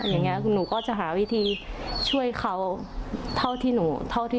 อย่างนี้หนูก็จะหาวิธีช่วยเขาเท่าที่หนูเท่าที่